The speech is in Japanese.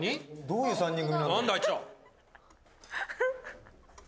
どういう３人組なんだ？